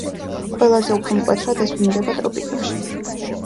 ყველაზე უფრო მკვეთრად ეს ვლინდება ტროპიკებში.